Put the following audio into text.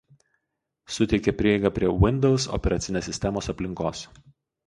Suteikia prieigą prie Windows operacinės sistemos aplinkos.